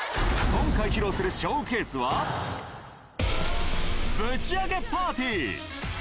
今回披露するショーケースは、ブチアゲパーティー。